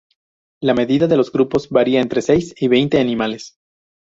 La medida de los grupos varía entre seis y veinte animales.